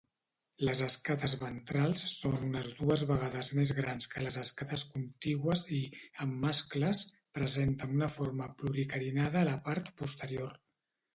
Les escates ventrals són unes dues vegades més grans que les escates contigües i, en mascles, presenten una forma pluricarinada a la part posterior.